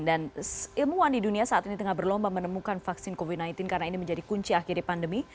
dan ilmuwan di dunia saat ini tengah berlomba menemukan vaksin covid sembilan belas karena ini menjadi kunci akhirnya pandemi